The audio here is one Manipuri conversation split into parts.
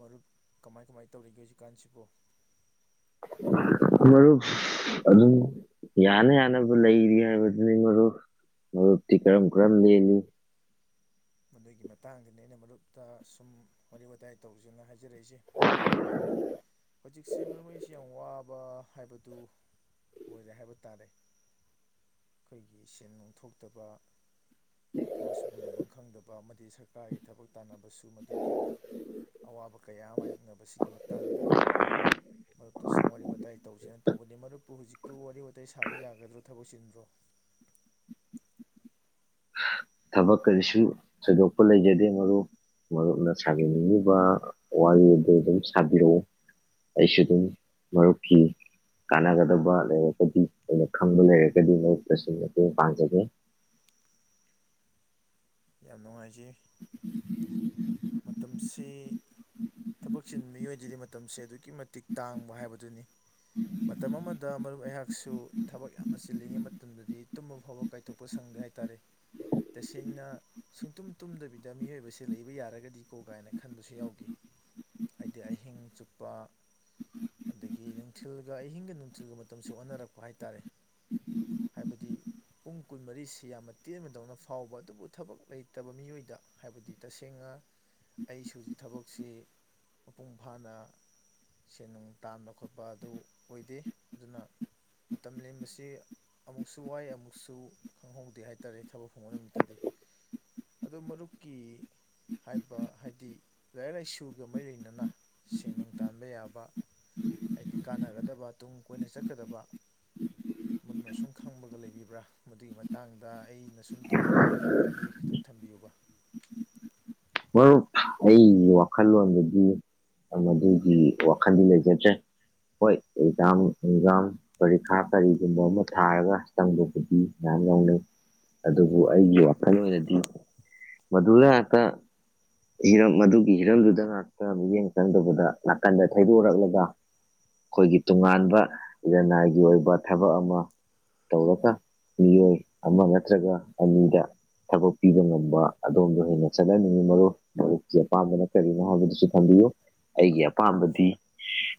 ꯃꯔꯨꯞ ꯀꯃꯥꯏ ꯀꯃꯥꯏ ꯇꯧꯔꯤꯒꯦ ꯍꯧꯖꯤꯛꯀꯥꯟꯁꯤꯕꯨ ꯃꯔꯨꯞ ꯑꯗꯨꯝ ꯌꯥꯅ ꯌꯥꯅꯕ ꯂꯩꯔꯤ ꯍꯥꯏꯕꯗꯨꯅꯤ ꯃꯔꯨꯞ ꯃꯔꯨꯞꯇꯤ ꯀꯔꯝ ꯀꯔꯝ ꯂꯦꯜꯂꯤ ꯃꯗꯨꯒꯤ ꯃꯇꯥꯡꯗꯅꯤ ꯑꯩꯅ ꯃꯔꯨꯞꯇ ꯁꯨꯝ ꯋꯥꯔꯤ ꯋꯥꯇꯥꯏ ꯇꯧꯁꯦꯅ ꯍꯥꯏꯖ ꯍꯥꯏꯖꯔꯛꯏꯁꯦ ꯑꯩꯈꯣꯏꯅ ꯍꯧꯖꯤꯛꯁꯦ ꯃꯔꯨꯞ ꯑꯩꯁꯤ ꯌꯥꯝ ꯋꯥꯕ ꯍꯥꯏꯕꯗꯨ ꯑꯣꯏꯔꯦ ꯍꯥꯏꯕ ꯇꯥꯔꯦ ꯑꯩꯈꯣꯏꯒꯤ ꯁꯦꯟ ꯅꯨꯡꯊꯣꯛꯇꯕ ꯊꯕꯛ ꯁꯨꯕ ꯅꯣꯝꯕꯝ ꯈꯪꯗꯕ ꯑꯃꯗꯤ ꯁꯔꯀꯥꯔꯒꯤ ꯊꯕꯛ ꯇꯥꯟꯅꯕꯁꯨ ꯃꯗꯨꯒꯤ ꯑꯋꯥꯕ ꯀꯌꯥ ꯃꯥꯥꯏꯌꯣꯛꯅꯕꯁꯤꯒꯤ ꯃꯇꯥꯡꯗ ꯃꯔꯨꯞꯇ ꯁꯨꯝ ꯋꯥꯔꯤ ꯋꯥꯇꯥꯏ ꯇꯧꯁꯦꯅ ꯇꯧꯕꯅꯤ ꯃꯔꯨꯞꯄꯨ ꯍꯧꯖꯤꯛꯄꯨ ꯋꯥꯔꯤ ꯋꯥꯇꯥꯏ ꯁꯥꯕ ꯌꯥꯒꯗ꯭ꯔꯣ ꯊꯕꯛ ꯆꯤꯟꯕ꯭ꯔꯣ ꯊꯕꯛ ꯀꯔꯤꯁꯨ ꯊꯣꯏꯗꯣꯛꯄ ꯂꯩꯖꯗꯦ ꯃꯔꯨꯞ ꯃꯔꯨꯞꯅ ꯁꯥꯕꯤꯅꯤꯡꯂꯤꯕ ꯋꯥꯔꯤ ꯑꯗꯨ ꯑꯗꯨꯝ ꯁꯥꯕꯤꯔꯛꯎ ꯑꯩꯁꯨ ꯑꯗꯨꯝ ꯃꯔꯨꯞꯀꯤ ꯀꯥꯟꯅꯒꯗꯕ ꯂꯩꯔꯒꯗꯤ ꯑꯩꯅ ꯈꯪꯕ ꯂꯩꯔꯒꯗꯤ ꯃꯔꯨꯞꯇꯁꯨ ꯃꯇꯦꯡ ꯄꯥꯡꯖꯒꯦ ꯌꯥꯝ ꯅꯨꯡꯉꯥꯏꯖꯩ ꯃꯇꯝꯁꯤ ꯊꯕꯛ ꯆꯤꯟ ꯃꯤꯑꯣꯏꯗꯗꯤ ꯃꯇꯝꯁꯦ ꯑꯗꯨꯛꯀꯤ ꯃꯇꯤꯛ ꯇꯥꯡꯕ ꯍꯥꯏꯕꯗꯨꯅꯤ ꯃꯇꯝ ꯑꯃꯗ ꯃꯔꯨꯞ ꯑꯩꯍꯥꯛꯁꯨ ꯊꯕꯛ ꯌꯥꯝꯅ ꯆꯤꯜꯂꯤꯉꯩ ꯃꯇꯝꯗꯗꯤ ꯇꯨꯝꯕ ꯐꯥꯎꯕ ꯀꯥꯏꯊꯣꯛꯄ ꯁꯪꯗꯦ ꯍꯥꯏ ꯇꯥꯔꯦ ꯇꯁꯦꯡꯅ ꯁꯨꯡꯇꯨꯝ ꯇꯨꯝꯗꯕꯤꯗ ꯃꯤꯑꯣꯏꯕꯕꯁꯦ ꯂꯩꯕ ꯌꯥꯔꯒꯗꯤ ꯗꯤꯀꯣ ꯀꯥꯏꯅ ꯈꯟꯕꯁꯨ ꯌꯥꯎꯈꯤ ꯍꯥꯏꯗꯤ ꯑꯍꯤꯡ ꯆꯨꯞꯄ ꯑꯗꯒꯤ ꯅꯨꯡꯊꯤꯜꯒ ꯑꯍꯤꯡꯒ ꯅꯨꯡꯊꯤꯜꯒ ꯃꯇꯝꯁꯨ ꯑꯣꯟꯅꯔꯛꯄ ꯍꯥꯏꯇꯥꯔꯦ ꯍꯥꯏꯕꯗꯤ ꯄꯨꯡ ꯀꯨꯟꯃꯔꯤꯁꯤ ꯌꯥꯝꯅ ꯇꯦꯟꯕꯗꯧꯅ ꯐꯥꯎꯕ ꯑꯗꯨꯕꯨ ꯊꯕꯛ ꯂꯩꯇꯕ ꯃꯤꯑꯣꯏꯗ ꯍꯥꯏꯕꯗꯤ ꯇꯁꯦꯡꯅ ꯑꯩꯁꯨ ꯍꯧꯖꯤꯛ ꯊꯕꯛꯁꯤ ꯃꯄꯨꯡ ꯐꯥꯅ ꯁꯦꯟ ꯅꯨꯡ ꯇꯥꯅ ꯈꯣꯠꯄ ꯑꯗꯨ ꯑꯣꯏꯗꯦ ꯑꯗꯨꯅ ꯃꯇꯝ ꯂꯦꯟꯕꯁꯤ ꯑꯃꯨꯛꯁꯨ ꯋꯥꯏ ꯑꯃꯨꯛꯁꯨ ꯈꯪꯍꯧꯗꯦ ꯍꯥꯏ ꯇꯥꯔꯦ ꯊꯕꯛ ꯐꯪꯕ ꯅꯨꯃꯤꯠꯇꯗꯤ ꯑꯗꯨ ꯃꯔꯨꯞꯀꯤ ꯍꯥꯏꯕ ꯍꯥꯏꯗꯤ ꯂꯥꯏꯔꯤꯛ ꯂꯥꯏꯁꯨꯒ ꯃꯔꯤ ꯂꯩꯅꯅ ꯁꯦꯟ ꯅꯨꯡ ꯇꯥꯟꯕ ꯌꯥꯕ ꯍꯥꯏꯗꯤ ꯀꯥꯟꯅꯒꯗꯕ ꯇꯨꯡ ꯀꯣꯏꯅ ꯆꯠꯀꯗꯕ ꯃꯗꯨꯅ ꯁꯨꯝ ꯈꯪꯕꯒ ꯂꯩꯕꯤꯕ꯭ꯔꯥ ꯃꯗꯨꯒꯤ ꯃꯇꯥꯡꯗ ꯑꯩꯅ ꯁꯨꯝ ꯇꯧꯕ ꯌꯥꯕ ꯂꯩꯔꯒꯗꯤ ꯈꯤꯇꯪ ꯊꯝꯕꯤꯌꯨꯕ ꯃꯔꯨꯞ ꯑꯩꯒꯤ ꯋꯥꯈꯜꯂꯣꯟꯗꯗꯤ ꯃꯗꯨꯒꯤ ꯋꯥꯈꯜꯗꯤ ꯂꯩꯖꯗ꯭ꯔꯦ ꯍꯣꯏ ꯑꯦꯛꯖꯥꯝ ꯑꯦꯛꯖꯥꯝ ꯄꯔꯤꯈꯥ ꯀꯔꯤꯒꯨꯝꯕ ꯑꯃ ꯊꯥꯔꯒ ꯆꯪꯕꯕꯨꯗꯤ ꯃꯌꯥꯝ ꯌꯥꯎꯅꯩ ꯑꯗꯨꯕꯨ ꯑꯩꯒꯤ ꯋꯥꯈꯜꯂꯣꯟꯗꯗꯤ ꯃꯗꯨꯗ ꯈꯠꯇ ꯍꯤꯔꯝ ꯑꯗꯨꯒꯤ ꯍꯤꯔꯝꯗꯨꯗ ꯉꯥꯛꯇ ꯃꯤꯠꯌꯦꯡ ꯆꯪꯗꯕꯗ ꯅꯥꯀꯟꯗ ꯊꯩꯗꯣꯔꯛꯂꯒ ꯑꯩꯈꯣꯏꯒꯤ ꯇꯣꯉꯥꯟꯕ ꯂꯅꯥꯏꯒꯤ ꯑꯣꯏꯕ ꯊꯕꯛ ꯑꯃ ꯇꯧꯔꯒ ꯃꯤꯑꯣꯏ ꯑꯃ ꯅꯠꯇ꯭ꯔꯒ ꯑꯅꯤꯗ ꯊꯕꯛ ꯄꯤꯕ ꯉꯝꯕ ꯑꯗꯣꯝꯗ ꯍꯦꯟꯅ ꯆꯠꯍꯟꯅꯤꯡ ꯃꯔꯨꯞ ꯃꯔꯨꯞꯀꯤ ꯑꯄꯥꯝꯕꯅ ꯀꯔꯤꯅꯣ ꯍꯥꯏꯕꯗꯨꯁꯨ ꯊꯝꯕꯤꯌꯨ ꯑꯩꯒꯤ ꯑꯄꯥꯝꯕꯗꯤ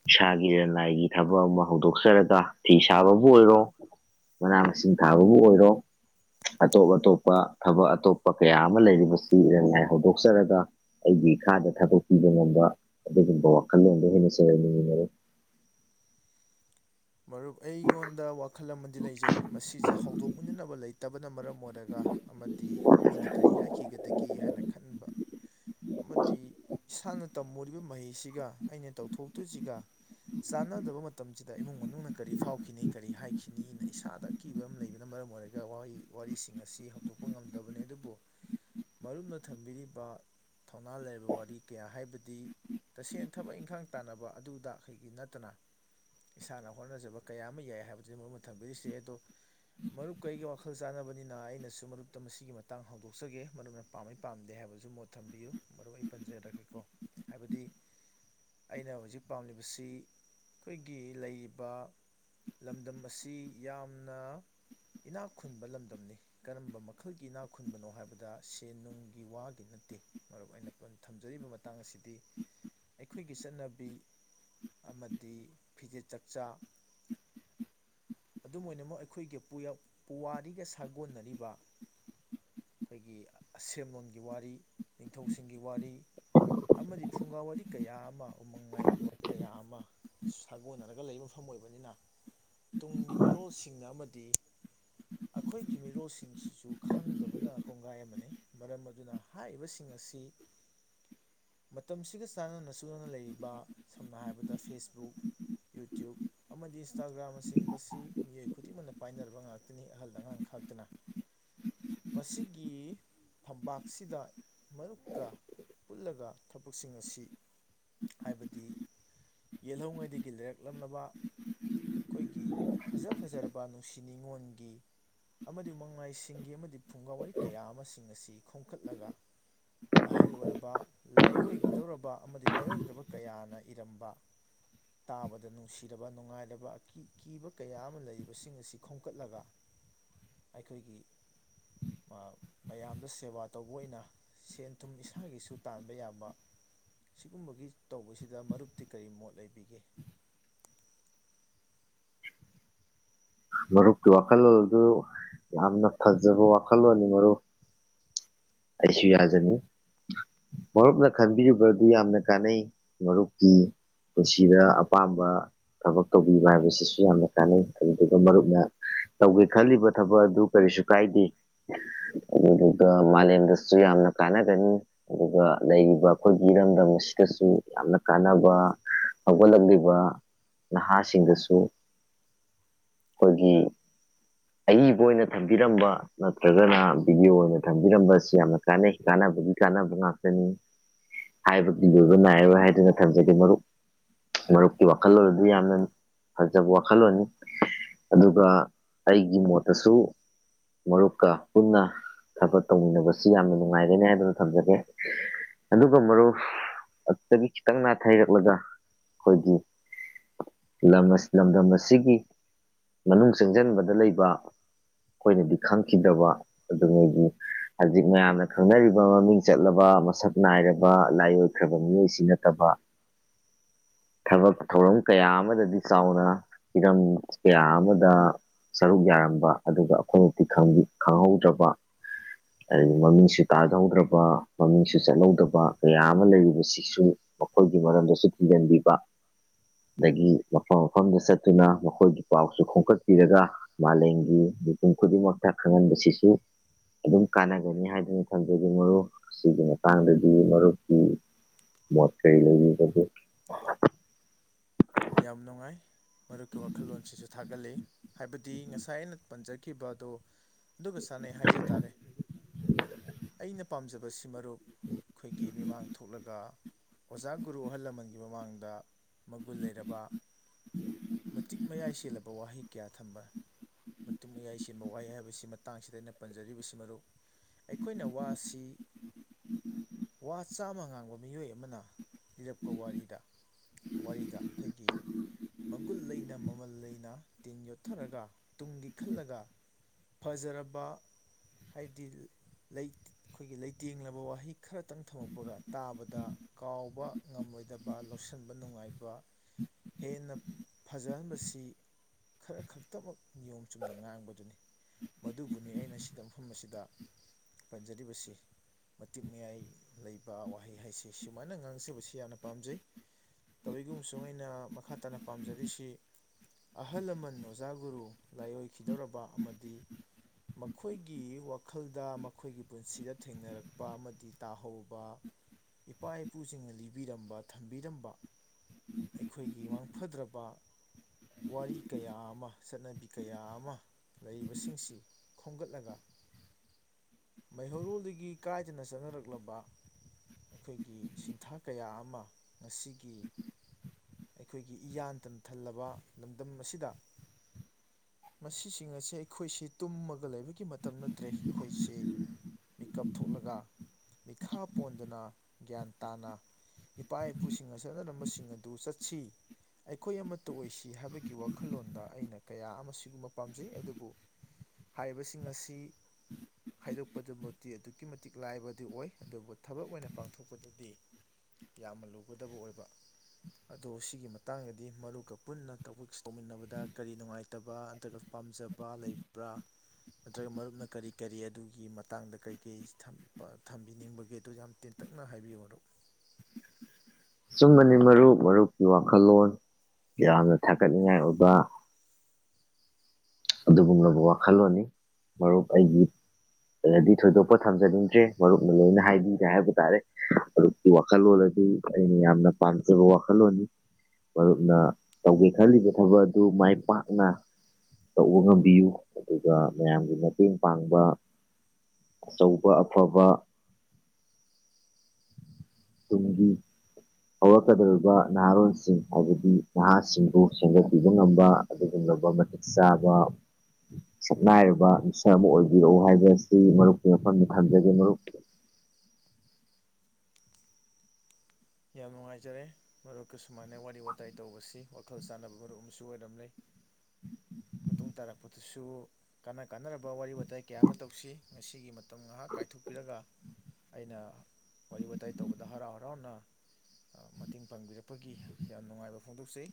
ꯏꯁꯥꯒꯤ ꯏꯔꯟꯅꯥꯏꯒꯤ ꯊꯕꯛ ꯑꯃ ꯍꯧꯗꯣꯛꯆꯔꯒ ꯐꯤ ꯁꯥꯕꯕꯨ ꯑꯣꯏꯔꯣ ꯃꯅꯥ ꯃꯁꯤꯡ ꯊꯥꯕꯕꯨ ꯑꯣꯏꯔꯣ ꯑꯇꯣꯞ ꯑꯇꯣꯞꯄ ꯊꯕꯛ ꯑꯇꯣꯞꯄ ꯀꯌꯥ ꯑꯃ ꯂꯩꯔꯤꯕꯁꯤ ꯏꯔꯟ ꯅꯥꯏ ꯍꯧ ꯍꯧꯗꯣꯛꯆꯔꯒ ꯑꯩꯒꯤ ꯏꯈꯥꯗ ꯊꯕꯛ ꯄꯤꯕ ꯉꯝꯕ ꯑꯗꯨꯒꯨꯝꯕ ꯋꯥꯈꯜꯂꯣꯟꯗꯣ ꯍꯦꯟꯅ ꯆꯦꯟꯍꯟ ꯅꯤꯡꯏ ꯃꯔꯨꯞ ꯃꯔꯨꯞ ꯑꯩꯉꯣꯟꯗ ꯋꯥꯈꯜ ꯑꯃꯗꯤ ꯂꯩꯖꯩ ꯃꯁꯤꯁꯦ ꯍꯧꯗꯣꯛꯃꯤꯟꯅꯕ ꯂꯩꯇꯕꯅ ꯃꯔꯝ ꯑꯣꯏꯔꯒ ꯑꯃꯗꯤ ꯃꯤꯅ ꯀꯔꯤ ꯍꯥꯏꯈꯤꯒꯗꯒꯦ ꯍꯥꯏꯅ ꯈꯟꯕ ꯑꯃꯗꯤ ꯏꯁꯥꯅ ꯇꯝꯃꯨꯔꯤꯕ ꯃꯍꯩꯁꯤꯒ ꯑꯩꯅ ꯇꯧꯊꯣꯛꯇꯣꯏꯁꯤꯒ ꯆꯥꯟꯅꯗꯕ ꯃꯇꯝꯁꯤꯗ ꯏꯃꯨꯡ ꯃꯅꯨꯡꯅ ꯀꯔꯤ ꯐꯥꯎꯈꯤꯅꯤ ꯀꯔꯤ ꯍꯥꯏꯈꯤꯅꯤꯅ ꯏꯁꯥꯗ ꯑꯀꯤꯕ ꯑꯃ ꯂꯩꯕꯅ ꯃꯔꯝ ꯑꯣꯏꯔꯒ ꯋꯥꯔꯤꯁꯤꯡ ꯑꯁꯤ ꯍꯧꯗꯣꯛꯄ ꯉꯝꯗꯕꯅꯤ ꯑꯗꯨꯕꯨ ꯃꯔꯨꯞꯅ ꯊꯝꯕꯤꯔꯤꯕ ꯊꯧꯅꯥ ꯂꯩꯔꯕ ꯋꯥꯔꯤ ꯀꯌꯥ ꯍꯥꯏꯕꯗꯤ ꯇꯁꯦꯡꯅ ꯊꯕꯛ ꯏꯪꯈꯥꯡ ꯇꯥꯟꯅꯕ ꯑꯗꯨꯗ ꯑꯩꯈꯣꯏꯒꯤ ꯅꯠꯇꯅ ꯏꯁꯥꯅ ꯍꯣꯠꯅꯖꯕ ꯀꯌꯥ ꯑꯃ ꯌꯥꯏ ꯍꯥꯏꯕꯗꯨꯅ ꯃꯔꯨꯨꯞꯅ ꯊꯝꯕꯤꯔꯤꯁꯦ ꯑꯗꯣ ꯃꯔꯨꯞꯀꯩ ꯑꯩꯒ ꯋꯥꯈꯜ ꯆꯥꯟꯅꯕꯅꯤꯅ ꯑꯩꯅꯁꯨ ꯃꯔꯨꯞꯇ ꯃꯁꯤꯒꯤ ꯃꯇꯥꯡ ꯍꯧꯗꯣꯛꯆꯒꯦ ꯃꯔꯨꯞꯅ ꯄꯥꯝꯝꯕꯩ ꯄꯥꯝꯗꯦ ꯍꯥꯏꯕꯁꯨ ꯃꯨꯠ ꯊꯝꯕꯤꯌꯨ ꯃꯔꯨꯞ ꯑꯩ ꯄꯟꯖꯔꯛꯒꯦꯀꯣ ꯍꯥꯏꯕꯗꯤ ꯑꯩꯅ ꯍꯧꯖꯤꯛ ꯄꯥꯝꯂꯤꯕꯁꯤ ꯑꯩꯈꯣꯏꯒꯤ ꯑꯩ ꯒꯤ ꯂꯩꯔꯤꯕ ꯂꯝꯗꯝ ꯑꯁꯤ ꯌꯥꯝꯅ ꯏꯅꯥꯛ ꯈꯨꯟꯕ ꯂꯝꯗꯝꯅꯤ ꯀꯔꯝꯕ ꯃꯈꯜꯒꯤ ꯏꯅꯥꯛ ꯈꯨꯟꯕꯅꯣ ꯍꯥꯏꯕꯗ ꯁꯦꯟ ꯅꯨꯡꯒꯤ ꯋꯥꯒꯤ ꯅꯠꯇꯦ ꯃꯔꯨꯞ ꯑꯩꯅ ꯊꯝꯖꯔꯤꯕ ꯃꯇꯥꯡ ꯑꯁꯤꯗꯤ ꯑꯩꯈꯣꯏꯒꯤ ꯆꯠꯅꯕꯤ ꯑꯃꯗꯤ ꯐꯤꯖꯦꯠ ꯆꯛꯆꯥ ꯑꯗꯨꯝ ꯑꯣꯏꯅꯃꯛ ꯑꯩꯈꯣꯏꯒꯤ ꯄꯨꯋꯥꯔꯤꯒ ꯁꯥꯒꯣꯟꯅꯔꯤꯕ ꯑꯩꯈꯣꯏꯒꯤ ꯑꯁꯦꯝꯂꯒꯤ ꯋꯥꯔꯤ ꯅꯤꯡꯊꯧꯁꯤꯡꯒꯤ ꯋꯥꯔꯤ ꯑꯃꯗꯤ ꯐꯨꯡꯒꯥ ꯋꯥꯔꯤ ꯀꯌꯥ ꯑꯃ ꯎꯃꯪ ꯂꯥꯏꯒꯤ ꯋꯥꯔꯤ ꯀꯌꯥ ꯑꯃ ꯁꯥꯒꯣꯟꯅꯔꯒ ꯂꯩꯕ ꯃꯐꯝ ꯑꯣꯏꯕꯅꯤꯅ ꯇꯨꯡꯒꯤ ꯃꯤꯔꯣꯜꯁꯤꯡꯅ ꯑꯃꯗꯤ ꯑꯩꯈꯣꯏꯒꯤ ꯃꯤꯔꯣꯜꯁꯤꯡꯁꯤꯁꯨ ꯈꯪꯗꯕꯅ ꯀꯣꯡꯒꯥꯏ ꯑꯃꯅꯤ ꯃꯔꯝ ꯑꯗꯨꯅ ꯍꯥꯏꯔꯤꯕꯁꯤꯡ ꯑꯁꯤ ꯃꯇꯝꯁꯤꯒ ꯆꯥꯟꯅꯅ ꯆꯨꯅꯅ ꯂꯩꯔꯤꯕ ꯁꯝꯅ ꯍꯥꯏꯔꯕꯗ ꯐꯦꯁꯕꯨꯛ ꯌꯨꯇ꯭ꯌꯨꯕ ꯑꯃꯗꯤ ꯏꯟꯁꯇꯥꯒ꯭ꯔꯥꯝꯅ ꯆꯤꯡꯕꯁꯤ ꯃꯤꯑꯣꯏ ꯈꯨꯗꯤꯡꯃꯛꯅ ꯄꯥꯏꯅꯔꯕ ꯉꯥꯛꯇ ꯑꯍꯜ ꯑꯉꯥꯡ ꯈꯥꯛꯇꯅ ꯃꯁꯤꯒꯤ ꯐꯝꯄꯥꯛꯁꯤꯗ ꯃꯔꯨꯞꯀ ꯄꯨꯜꯂꯒ ꯊꯕꯛꯁꯤꯡ ꯑꯁꯤ ꯍꯥꯏꯕꯗꯤ ꯌꯦꯜꯍꯧꯉꯩꯗꯒꯤ ꯂꯩꯔꯛꯂꯝꯂꯕ ꯑꯩꯈꯣꯏꯒꯤ ꯐꯖ ꯐꯖꯔꯕ ꯅꯨꯡꯁꯤ ꯅꯤꯉꯣꯟ ꯒꯤ ꯑꯃꯗꯤ ꯃꯉꯥꯏꯁꯤꯡꯒꯤ ꯑꯃꯗꯤ ꯐꯨꯡꯒꯥ ꯋꯥꯔꯤ ꯀꯌꯥ ꯑꯃꯁꯤꯡ ꯑꯁꯤ ꯈꯣꯝꯀꯠꯂꯒ ꯑꯍꯜ ꯑꯣꯏꯔꯕ ꯂꯥꯏꯑꯣꯏꯈꯤꯗꯧꯔꯕ ꯑꯃꯗꯤ ꯂꯥꯏꯑꯣꯏꯈ꯭ꯔꯕ ꯀꯌꯥꯅ ꯏꯔꯝꯕ ꯇꯥꯕꯗ ꯅꯨꯡꯁꯤꯔꯕ ꯅꯨꯡꯉꯥꯏꯔꯕ ꯑꯀꯤꯕ ꯀꯌꯥ ꯑꯃ ꯂꯩꯔꯤꯕꯁꯤꯡ ꯑꯁꯤ ꯈꯣꯝꯀꯠꯂꯒ ꯑꯩꯈꯣꯏꯒꯤ ꯃꯌꯥꯝꯗ ꯁꯦꯕꯥ ꯇꯧꯕ ꯑꯣꯏꯅ ꯁꯦꯟ ꯊꯨꯝ ꯏꯁꯥꯒꯤꯁꯨ ꯇꯥꯟꯕ ꯌꯥꯕ ꯁꯤꯒꯨꯝꯕꯒꯤ ꯇꯧꯕꯁꯤꯗ ꯃꯔꯨꯞꯇꯤ ꯀꯔꯤ ꯃꯣꯠ ꯂꯩꯕꯤꯒꯦ ꯃꯔꯨꯞꯀꯤ ꯋꯥꯈꯜꯂꯣꯟ ꯑꯗꯨ ꯌꯥꯝꯅ ꯐꯖꯕ ꯋꯥꯈꯜꯂꯣꯟꯅꯤ ꯃꯔꯨꯞ ꯑꯩꯁꯨ ꯌꯥꯖꯅꯤꯡꯏ ꯃꯔꯨꯞꯅ ꯈꯟꯕꯤꯨꯔꯤꯕ ꯑꯗꯨ ꯌꯥꯝꯅ ꯀꯥꯟꯅꯩ ꯃꯔꯨꯞꯀꯤ ꯄꯨꯟꯁꯤꯗ ꯑꯄꯥꯝꯕ ꯊꯕꯛ ꯇꯧꯕꯤꯕ ꯍꯥꯏꯕꯁꯤꯁꯨ ꯌꯥꯝꯅ ꯀꯥꯟꯅꯩ ꯑꯗꯨꯗꯨꯒ ꯃꯔꯨꯞꯅ ꯇꯧꯒꯦ ꯈꯜꯂꯤꯕ ꯊꯕꯛ ꯑꯗꯨ ꯀꯔꯤꯁꯨ ꯀꯥꯏꯗꯦ ꯑꯗꯨꯗꯨꯒ ꯑꯗꯨꯁꯨ ꯌꯥꯝꯅ ꯀꯥꯟꯅꯒꯅꯤ ꯑꯗꯨꯒ ꯂꯩꯔꯤꯕ ꯑꯩꯈꯣꯏꯒꯤ ꯏꯔꯝꯗꯝ ꯑꯁꯤꯗꯁꯨ ꯌꯥꯝꯅ ꯀꯥꯟꯅꯕ ꯍꯧꯒꯠꯂꯛꯂꯤꯕ ꯅꯍꯥꯁꯤꯡꯗꯁꯨ ꯑꯩꯈꯣꯏꯒꯤ ꯑꯏꯕ ꯑꯣꯏꯅ ꯊꯝꯕꯤꯔꯝꯕ ꯅꯠꯇ꯭ꯔꯒꯅ ꯚꯗꯤꯑꯣ ꯑꯣꯏꯅ ꯊꯝꯕꯤꯔꯝꯕ ꯑꯁꯤ ꯌꯥꯝꯅ ꯀꯥꯟꯅꯩ ꯀꯥꯟꯅꯕꯒꯤ ꯀꯥꯟꯅꯕ ꯉꯥꯛꯇꯅꯤ ꯍꯥꯏꯕꯒꯤꯗꯤꯕ ꯅꯥꯏꯔꯣꯏ ꯍꯥꯏꯗꯨꯅ ꯊꯝꯖꯒꯦ ꯃꯔꯨꯞ ꯃꯔꯨꯞꯀꯤ ꯋꯥꯈꯜꯂꯣꯟ ꯑꯗꯨ ꯌꯥꯝꯅ ꯐꯖꯕ ꯋꯥꯈꯜꯂꯣꯟꯅꯤ ꯑꯗꯨꯒ ꯑꯩꯒꯤ ꯃꯣꯠꯇꯁꯨ ꯃꯔꯨꯞꯀ ꯄꯨꯟꯅ ꯊꯕꯛ ꯇꯧꯃꯤꯟꯅꯕꯁꯤ ꯌꯥꯝꯅ ꯅꯨꯡꯉꯥꯏꯒꯅꯤ ꯍꯥꯏꯗꯨꯅ ꯊꯝꯖꯒꯦ ꯑꯗꯨꯒ ꯃꯔꯨꯞ ꯑꯗꯨꯗꯒꯤ ꯈꯤꯇꯪ ꯅꯥꯊꯩꯔꯛꯂꯒ ꯑꯩꯈꯣꯏꯒꯤ ꯂꯝ ꯂꯝꯗꯝ ꯑꯁꯤꯒꯤ ꯃꯅꯨꯡ ꯆꯪꯁꯤꯟꯕꯗ ꯗ ꯂꯩꯕ ꯑꯩꯈꯣꯏꯅꯗꯤ ꯈꯪꯈꯤꯗꯕ ꯑꯗꯨꯉꯩꯗꯤ ꯍꯧꯖꯤꯛ ꯃꯌꯥꯝꯅ ꯈꯪꯅꯔꯤꯕ ꯃꯃꯤꯡ ꯆꯠꯂꯕ ꯃꯁꯛ ꯅꯥꯏꯔꯕ ꯂꯥꯏꯑꯣꯏꯈ꯭ꯔꯕ ꯃꯤꯑꯣꯏꯁꯤ ꯅꯠꯇꯕ ꯊꯕꯛ ꯊꯧꯔꯝ ꯀꯌꯥ ꯑꯃꯗꯗꯤ ꯆꯥꯎꯅ ꯍꯤꯔꯝ ꯀꯌꯥ ꯑꯃꯗ ꯁꯔꯨꯛ ꯌꯥꯔꯝꯕ ꯑꯗꯨꯒ ꯑꯩꯈꯣꯏꯅꯗꯤ ꯈꯪꯍꯧꯗ꯭ꯔꯕ ꯑꯗꯒꯤ ꯃꯃꯤꯡꯁꯨ ꯇꯥꯍꯧꯗ꯭ꯔꯕ ꯃꯃꯤꯡꯁꯨ ꯆꯠꯍꯧꯗ꯭ꯔꯕ ꯀꯌꯥ ꯑꯃ ꯂꯩꯔꯤꯕꯁꯤꯁꯨ ꯃꯈꯣꯏꯒꯤ ꯃꯔꯝꯗꯁꯨ ꯊꯤꯖꯤꯟꯕꯤꯕ ꯑꯗꯒꯤ ꯃꯐꯝ ꯃꯐꯝꯗ ꯆꯠꯇꯨꯅ ꯃꯈꯣꯏꯒꯤ ꯄꯥꯎꯁꯨ ꯈꯣꯝꯀꯠꯄꯤꯔꯒ ꯃꯥꯂꯦꯝꯒꯤ ꯃꯤꯄꯨꯝ ꯈꯨꯗꯤꯡꯃꯛꯇ ꯈꯪꯍꯟꯕꯁꯤꯁꯨ ꯑꯗꯨꯝ ꯀꯥꯟꯅꯒꯅꯤ ꯍꯥꯏꯗꯨꯅ ꯊꯝꯖꯒꯦ ꯃꯔꯨꯞ ꯁꯤꯒꯤ ꯃꯇꯥꯡꯗꯗꯤ ꯃꯔꯨꯞꯀꯤ ꯃꯣꯠ ꯀꯔꯤ ꯂꯩꯕꯤꯕꯒꯦ ꯌꯥꯝ ꯅꯨꯡꯉꯥꯏ ꯃꯔꯨꯞꯀꯤ ꯋꯥꯈꯜꯂꯣꯟꯁꯤꯁꯨ ꯊꯥꯒꯠꯂꯤ ꯍꯥꯏꯕꯗꯤ ꯉꯁꯥꯏ ꯑꯩꯅ ꯄꯟꯖꯈꯤꯕꯗꯣ ꯑꯗꯨꯒ ꯆꯅꯩ ꯍꯥꯏꯖ ꯇꯥꯔꯦ ꯑꯩꯅ ꯄꯥꯝꯖꯕ ꯕꯁꯤ ꯃꯔꯨꯞ ꯑꯩꯈꯣꯏꯒꯤ ꯃꯤꯃꯥꯡ ꯊꯣꯛꯂꯒ ꯑꯣꯖꯥ ꯒꯨꯔꯨ ꯑꯍꯜ ꯂꯃꯟꯒꯤ ꯃꯃꯥꯡꯗ ꯃꯒꯨꯟ ꯂꯩꯔꯕ ꯃꯇꯤꯛ ꯃꯌꯥꯏ ꯆꯦꯜꯂꯕ ꯋꯥꯍꯩ ꯀꯌꯥ ꯊꯝꯕ ꯃꯇꯨꯡ ꯃꯌꯥꯏ ꯆꯦꯟꯕ ꯋꯥꯍꯩ ꯍꯥꯏꯕꯁꯤ ꯃꯇꯥꯡꯁꯤꯗ ꯑꯩꯅ ꯄꯟꯖꯔꯤꯕꯁꯤ ꯃꯔꯨꯞ ꯑꯩꯈꯣꯏꯅ ꯋꯥꯁꯤ ꯋꯥ ꯆꯥꯝꯃ ꯉꯥꯡꯕ ꯃꯤꯑꯣꯏ ꯑꯃꯅ ꯂꯤꯔꯛꯄ ꯋꯥꯔꯤꯗ ꯋꯥꯔꯤꯗꯥ ꯑꯩꯈꯣꯏꯒꯤ ꯃꯒꯨꯟ ꯂꯩꯅ ꯃꯃꯜ ꯂꯩꯅ ꯇꯤꯟ ꯌꯣꯠꯊꯔꯒ ꯇꯨꯡꯒꯤ ꯈꯜꯂꯒ ꯐꯖꯔꯕ ꯍꯥꯏꯕꯗꯤ ꯑꯩꯈꯣꯏꯒꯤ ꯂꯩꯇꯦꯡꯂꯕ ꯋꯥꯍꯩ ꯈꯔꯇꯪ ꯊꯝꯃꯛꯄꯒ ꯇꯥꯕꯗ ꯀꯥꯎꯕ ꯉꯝꯂꯣꯏꯗꯕ ꯂꯧꯁꯟꯕ ꯅꯨꯡꯉꯥꯏꯕ ꯍꯦꯟꯅ ꯐꯖꯍꯟꯕꯁꯤ ꯈꯔ ꯈꯛꯇꯃꯛ ꯅꯤꯌꯣꯝ ꯆꯨꯝꯅ ꯉꯥꯡꯕꯗꯨꯅꯤ ꯃꯗꯨꯕꯨꯅꯤ ꯑꯩꯅ ꯁꯤꯗ ꯃꯐꯝ ꯑꯁꯤꯗ ꯄꯟꯖꯔꯤꯕꯁꯤ ꯃꯇꯤꯛ ꯃꯌꯥꯏ ꯂꯩꯕ ꯋꯥꯍꯩ ꯍꯥꯏꯁꯤ ꯁꯨꯃꯥꯏꯅ ꯉꯥꯡꯖꯕꯁꯤ ꯌꯥꯝꯅ ꯄꯥꯝꯖꯩ ꯑꯃꯁꯨꯡ ꯑꯩꯅ ꯃꯈꯥ ꯇꯥꯅ ꯄꯥꯝꯖꯔꯤꯁꯤ ꯑꯍꯜ ꯂꯃꯟ ꯑꯣꯖꯥ ꯒꯨꯔꯨ ꯂꯥꯏꯑꯣꯏꯈꯤꯗꯧꯔꯕ ꯑꯃꯗꯤ ꯃꯈꯣꯏꯒꯤ ꯋꯥꯈꯜꯗ ꯃꯈꯣꯏꯒꯤ ꯄꯨꯟꯁꯤꯗ ꯊꯦꯡꯅꯔꯛꯄ ꯑꯃꯗꯤ ꯇꯥꯍꯧꯕ ꯏꯄꯥ ꯏꯄꯨꯁꯤꯡꯅ ꯂꯤꯕꯤꯔꯝꯕ ꯊꯝꯕꯤꯔꯝꯕ ꯑꯩꯈꯣꯏꯒꯤ ꯃꯥꯡꯐꯗ꯭ꯔꯕ ꯋꯥꯔꯤ ꯀꯌꯥ ꯑꯃ ꯆꯠꯅꯕꯤ ꯀꯌꯥ ꯑꯃ ꯂꯩꯔꯤꯕꯁꯤꯡꯁꯤ ꯈꯣꯝꯒꯠꯂꯒ ꯃꯩꯍꯧꯔꯣꯜꯗꯒꯤ ꯀꯥꯏꯗꯅ ꯆꯠꯅꯔꯛꯂꯕ ꯑꯩꯈꯣꯏꯒꯤ ꯁꯤꯟꯊꯥ ꯀꯌꯥ ꯑꯃ ꯉꯁꯤꯒꯤ ꯑꯩꯈꯣꯏꯒꯤ ꯏꯌꯥꯟ ꯇꯝꯊꯜꯂꯕ ꯂꯝꯗꯝ ꯑꯁꯤꯗ ꯃꯁꯤꯁꯤꯡ ꯑꯁꯦ ꯑꯩꯈꯣꯏꯁꯦ ꯇꯨꯝꯃꯒ ꯂꯩꯕꯒꯤ ꯃꯇꯝ ꯅꯠꯇ꯭ꯔꯦ ꯑꯩꯈꯣꯏꯁꯤ ꯃꯤꯀꯞ ꯊꯣꯛꯂꯒ ꯃꯤꯈꯥ ꯄꯣꯟꯗꯅ ꯒ꯭ꯌꯥꯟ ꯇꯥꯅ ꯏꯄꯥ ꯏꯄꯨꯁꯤꯡꯅ ꯆꯠꯅꯔꯝꯕꯁꯤꯡ ꯑꯗꯨ ꯑꯗꯨ ꯆꯠꯁꯤ ꯑꯩꯈꯣꯏ ꯑꯃꯠꯇ ꯑꯣꯏꯁꯤ ꯍꯥꯏꯕꯒꯤ ꯋꯥꯈꯜꯂꯣꯟꯗ ꯑꯩꯅ ꯀꯌꯥ ꯑꯃ ꯁꯤꯒꯨꯝꯕ ꯄꯥꯝꯖꯩ ꯑꯗꯨꯕꯨ ꯍꯥꯏꯔꯤꯕꯁꯤꯡ ꯑꯁꯤ ꯍꯥꯏꯗꯣꯛꯄꯗꯨꯃꯛꯇꯤ ꯑꯗꯨꯛꯀꯤ ꯃꯇꯤꯛ ꯂꯥꯏꯕꯗꯤ ꯑꯣꯏ ꯑꯗꯨꯕꯨ ꯊꯕꯛ ꯑꯣꯏꯅ ꯄꯥꯡꯊꯣꯛꯄꯗꯨꯗꯤ ꯌꯥꯝꯅ ꯂꯨꯒꯗꯕ ꯑꯣꯏꯕ ꯑꯗꯣ ꯁꯤꯒꯤ ꯃꯇꯥꯡꯗꯗꯤ ꯃꯔꯨꯞꯀ ꯄꯨꯟꯅ ꯊꯥꯕꯥꯛ ꯇꯧꯃꯤꯟꯅꯕꯗ ꯀꯔꯤ ꯅꯨꯡꯉꯥꯏꯇꯕ ꯅꯠꯇ꯭ꯔꯒ ꯄꯥꯝꯖꯕ ꯂꯩꯕ꯭ꯔꯥ ꯅꯠꯇ꯭ꯔꯒ ꯃꯔꯨꯞꯅ ꯀꯔꯤ ꯀꯔꯤ ꯑꯗꯨꯒꯤ ꯃꯇꯥꯡꯗ ꯀꯔꯤꯀꯔꯤ ꯊꯝꯕꯤꯅꯤꯡꯕꯒꯦ ꯑꯗꯨ ꯌꯥꯝ ꯇꯦꯟꯇꯛꯅ ꯍꯥꯏꯕꯤꯌꯨ ꯃꯔꯨꯞ ꯆꯨꯝꯕꯅꯤ ꯃꯔꯨꯞ ꯃꯔꯨꯞꯀꯤ ꯋꯥꯈꯜꯂꯣꯟ ꯌꯥꯝꯅ ꯊꯥꯒꯠꯅꯤꯡꯉꯥꯏ ꯑꯣꯏꯕ ꯑꯗꯨꯒꯨꯝꯂꯕ ꯋꯥꯈꯜꯂꯣꯟꯅꯤ ꯃꯔꯨꯞ ꯑꯩꯒꯤꯗꯤ ꯊꯣꯏꯗꯣꯛꯄ ꯊꯝꯖꯅꯤꯡꯗ꯭ꯔꯦ ꯃꯔꯨꯞꯅ ꯂꯣꯏꯅ ꯍꯥꯏꯕꯤꯒꯦ ꯍꯥꯏꯕ ꯇꯥꯔꯦ ꯃꯔꯨꯞꯀꯤ ꯋꯥꯈꯜꯂꯣꯟ ꯑꯗꯨ ꯑꯩꯅ ꯌꯥꯝꯅ ꯄꯥꯝꯖꯕ ꯋꯥꯈꯜꯂꯣꯟꯅꯤ ꯃꯔꯨꯞꯅ ꯇꯧꯒꯦ ꯈꯜꯂꯤꯕ ꯊꯕꯛ ꯑꯗꯨ ꯃꯥꯏ ꯄꯥꯛꯅ ꯇꯧꯕ ꯉꯝꯕꯤꯌꯨ ꯑꯗꯨꯒ ꯃꯌꯥꯝꯒꯤ ꯃꯇꯦꯡ ꯄꯥꯡꯕ ꯑꯆꯧꯕ ꯑꯐꯕ ꯇꯨꯡꯒꯤ ꯍꯧꯔꯛꯀꯗꯧꯔꯤꯕ ꯅꯍꯥꯔꯣꯟꯜꯁꯤꯡ ꯍꯥꯏꯕꯗꯤ ꯅꯍꯥꯁꯤꯡꯕꯨ ꯁꯦꯝꯒꯠꯄꯤꯕ ꯉꯝꯕ ꯑꯗꯨꯒꯨꯝꯂꯕ ꯃꯇꯤꯛ ꯆꯥꯕ ꯁꯛꯅꯥꯏꯔꯕ ꯃꯤꯁꯛ ꯑꯃ ꯑꯣꯏꯕꯤꯔꯛꯎ ꯍꯥꯏꯕ ꯑꯁꯤ ꯃꯔꯨꯞꯀꯤ ꯃꯐꯝꯗ ꯊꯝꯖꯒꯦ ꯃꯔꯨꯞꯀꯤ ꯌꯥꯝ ꯅꯨꯡꯉꯥꯏꯖꯔꯦ ꯃꯔꯨꯞꯀ ꯁꯨꯃꯥꯏꯅ ꯋꯥꯔꯤ ꯋꯥꯇꯥꯏ ꯇꯧꯕꯁꯤ ꯋꯥꯈꯜ ꯆꯥꯟꯅꯕ ꯃꯔꯨꯞ ꯑꯃꯁꯨ ꯑꯣꯏꯔꯝ ꯂꯩ ꯃꯇꯨꯡ ꯇꯥꯔꯛꯄꯗꯁꯨ ꯀꯥꯟꯅ ꯀꯥꯟꯅꯔꯕ ꯋꯥꯔꯤ ꯋꯥꯇꯥꯏ ꯀꯌꯥ ꯑꯃ ꯇꯧꯁꯤ ꯉꯁꯤꯒꯤ ꯃꯇꯝ ꯉꯥꯏꯍꯥꯛ ꯀꯥꯏꯊꯣꯛꯄꯤꯔꯒ ꯑꯩꯅ ꯋꯥꯔꯤ ꯋꯥꯇꯥꯏ ꯇꯧꯕꯗ ꯍꯔꯥꯎ ꯍꯔꯥꯎꯅ ꯃꯇꯦꯡ ꯄꯥꯡꯕꯤꯔꯛꯄꯒꯤ ꯌꯥꯝ ꯅꯨꯡꯉꯥꯏꯕ ꯐꯣꯡꯗꯣꯛꯆꯩ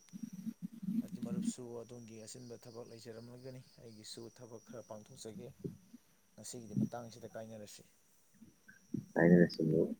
ꯑꯗꯨ ꯃꯔꯨꯞꯁꯨ ꯑꯗꯣꯝꯒꯤ ꯑꯆꯤꯟꯕ ꯊꯕꯛ ꯂꯩꯖꯔꯝꯂꯒꯅꯤ ꯑꯩꯒꯤꯁꯨ ꯊꯕꯛ ꯈꯔ ꯄꯥꯡꯊꯣꯛꯆꯒꯦ ꯉꯁꯤꯒꯤꯗꯤ ꯃꯇꯥꯡꯁꯤꯗ ꯀꯥꯏꯅꯔꯁꯤ ꯀꯥꯏꯅꯔꯁꯤ ꯃꯔꯨꯞ